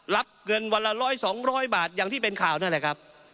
รับเงินวันละ๑๐๐๒๐๐บาทอย่างที่เป็นข่าวนั่นแหละครับ